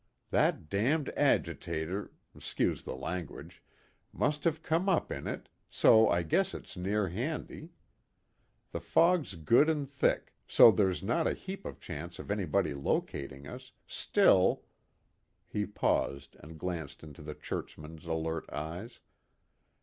That damned agitator 'scuse the language must have come up in it, so I guess it's near handy. The fog's good and thick, so there's not a heap of chance of anybody locating us, still " he paused and glanced into the churchman's alert eyes.